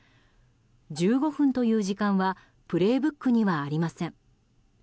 １５分という時間は「プレイブック」にはありません。